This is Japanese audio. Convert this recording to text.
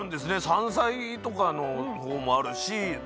山菜とかのほうもあるしま